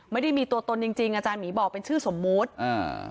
ไม่ได้มีตัวตนจริงจริงอาจารย์หมีบอกเป็นชื่อสมมุติอ่า